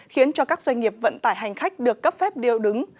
khiến cho các doanh nghiệp vận tải hành khách được cấp phép điều đứng